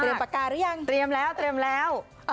ปากกาหรือยังเตรียมแล้วเตรียมแล้ว